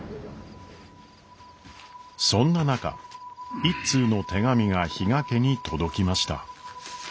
そんな中一通の手紙が比嘉家に届きました。